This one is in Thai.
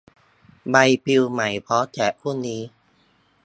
ใบปลิวใหม่ พร้อมแจกพรุ่งนี้